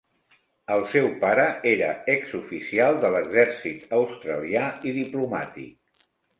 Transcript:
El seu pare era exoficial de l'exèrcit australià i diplomàtic.